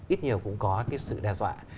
ít nhiều cũng có cái sự đe dọa